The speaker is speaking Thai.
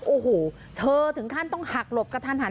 โอ้โหเธอถึงขั้นต้องหักหลบกระทันหัน